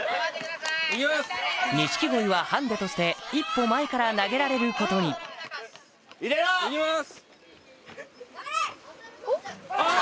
錦鯉はハンデとして１歩前から投げられることにあぁ！